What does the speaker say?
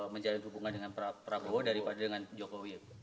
menjalin hubungan dengan prabowo daripada dengan jokowi